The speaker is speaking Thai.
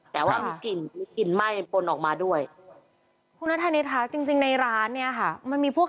แต่ว่ามีกลิ่นกลิ่นไหม้ปนออกมาด้วยคุณนัทธานิสค่ะจริงในร้านเนี่ยค่ะมันมีพวก